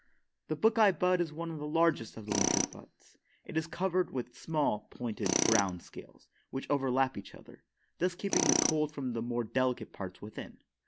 The buckeye bud is one of the largest of the winter buds. It is covered with small, pointed, brown scales, which overlap each other, thus keeping the cold from the more delicate parts within.